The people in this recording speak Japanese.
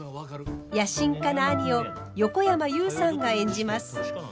野心家な兄を横山裕さんが演じます。